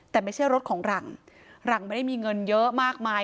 แต่ไม่ใช่รถของหลังหลังไม่ได้มีเงินเยอะมากมาย